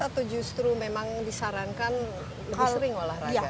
atau justru memang disarankan lebih sering olahraga